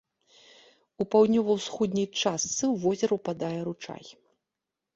У паўднёва-ўсходняй частцы ў возера ўпадае ручай.